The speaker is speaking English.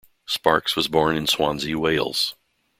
Sparkes was born in Swansea, Wales.